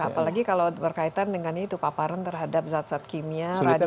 apalagi kalau berkaitan dengan itu paparan terhadap zat zat kimia radius